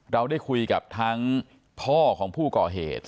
เราได้คุยกับทั้งพ่อของผู้ก่อเหตุ